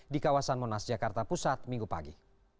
di kawasan monas jakarta pusat minggu pagi